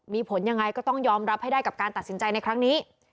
มีผลยังไงก็ต้องยอมรับให้ได้กับการตัดสินใจในครั้งนี้